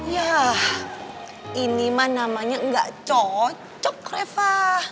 yah ini mah namanya gak cocok reva